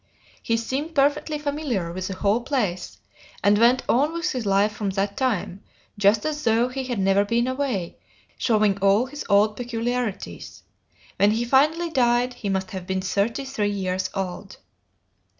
He seemed perfectly familiar with the whole place, and went on with his life from that time, just as though he had never been away, showing all his old peculiarities. When he finally died, he must have been thirty three years old.